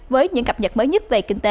với những cập nhật mới nhất về kinh tế